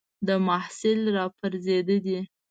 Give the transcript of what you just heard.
د محصل را پرځېده دي